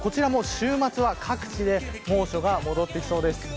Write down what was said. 週末は各地で猛暑が戻ってきそうです。